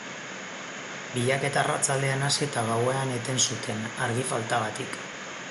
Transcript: Bilaketa arratsaldean hasi eta gauean eten zuten, argi faltagatik.